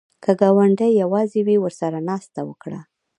که ګاونډی یواځې وي، ورسره ناسته وکړه